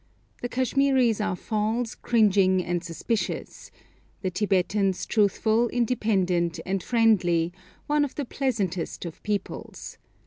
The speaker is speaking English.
The Kashmiris are false, cringing, and suspicious; the Tibetans truthful, independent, and friendly, one of the pleasantest of peoples.